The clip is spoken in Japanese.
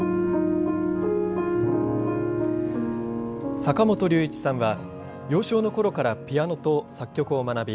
坂本龍一さんは幼少の頃からピアノと作曲を学び